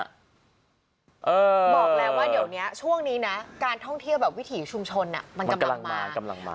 บอกแล้วว่าเดี๋ยวนี้ช่วงนี้นะการท่องเที่ยวแบบวิถีชุมชนมันกำลังมากำลังมา